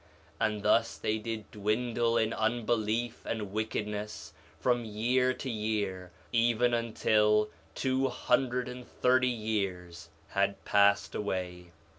And thus they did dwindle in unbelief and wickedness, from year to year, even until two hundred and thirty years had passed away.